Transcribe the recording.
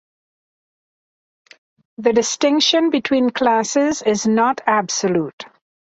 The distinction between classes is not absolute.